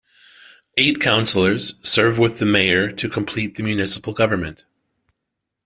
Eight councillors serve with the mayor to complete the municipal government.